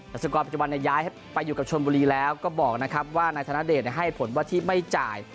สุกรปัจจุบันย้ายไปอยู่กับชนบุรีแล้วก็บอกนะครับว่านายธนเดชให้ผลว่าที่ไม่จ่าย